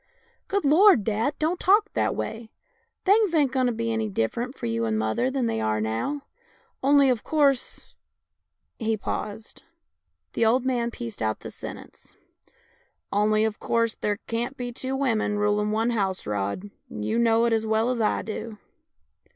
" Good Lord, dad, don't talk that way. Things ain't going to be any different for you and mother than they are now. Only, of course " He paused. The old man pieced out the sentence: " Only, of course, there can't be two women rulin' one house, Rod, and you know it as well as I do."